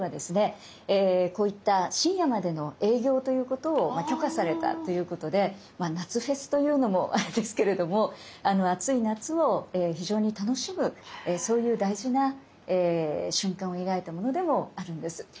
こういった深夜までの営業ということを許可されたということで夏フェスというのもあれですけれども暑い夏を非常に楽しむそういう大事な瞬間を描いたものでもあるんです。